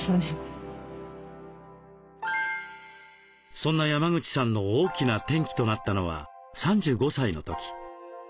そんな山口さんの大きな転機となったのは３５歳のとき。